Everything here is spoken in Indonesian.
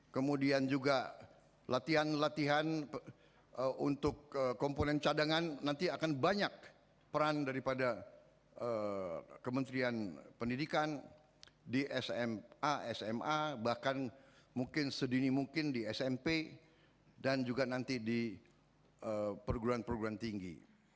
kemudian juga latihan latihan untuk komponen cadangan nanti akan banyak peran daripada kementerian pendidikan di sma sma bahkan mungkin sedini mungkin di smp dan juga nanti di perguruan perguruan tinggi